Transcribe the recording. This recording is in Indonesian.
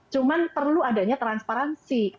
cuman perlu adanya transparansi